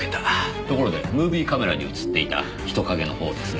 ところでムービーカメラに映っていた人影の方ですが。